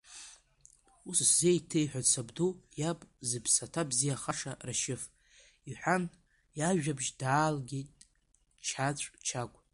Ус сзеиҭеиҳәеит сабду иаб, зыԥсаҭа бзиахаша, Рашьыф, — иҳәан, иажәабжь даалгеит Чаҵә Чагә.